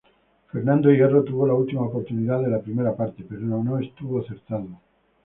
Fernando Hierro tuvo la última oportunidad de la primera parte, pero no estuvo acertado.